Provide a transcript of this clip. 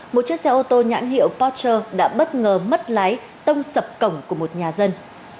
một chiếc xe ô tô nhãn hiệu potcher đã bất ngờ mất lái tông sập cổng của một nhà dân